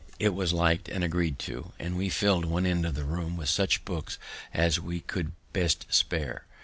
It was lik'd and agreed to, and we fill'd one end of the room with such books as we could best spare.